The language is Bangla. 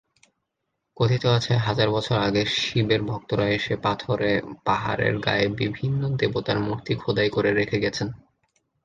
কথিত আছে হাজার বছর আগে শিবের ভক্তরা এসে পাথুরে পাহাড়ের গায়ে বিভিন্ন দেবতার মূর্তি খোদাই করে রেখে গেছেন।